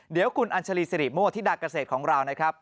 เดี๋ยวคุณอัญชาลีสิริโมธิดาเกษตรของเรานะครับ